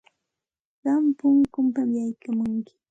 Qam punkunpam yaykamunki.